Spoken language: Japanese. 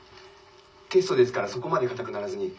テストですからそこまで硬くならずに。